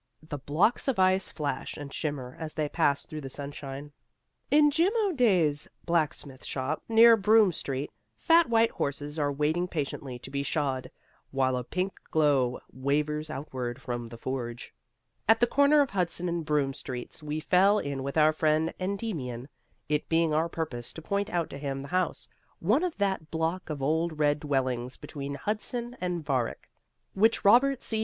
The blocks of ice flash and shimmer as they pass through the sunshine. In Jim O'Dea's blacksmith shop, near Broome Street, fat white horses are waiting patiently to be shod, while a pink glow wavers outward from the forge. At the corner of Hudson and Broome streets we fell in with our friend Endymion, it being our purpose to point out to him the house, one of that block of old red dwellings between Hudson and Varick, which Robert C.